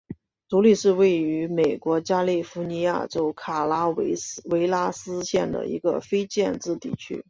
独立是位于美国加利福尼亚州卡拉韦拉斯县的一个非建制地区。